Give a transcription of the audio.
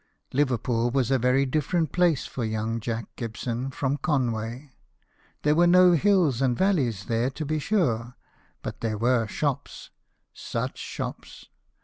Liverpool was a very different place for young Jack Gibson from Conway : there were no hills and valleys there, to be sure, but there were shops such shops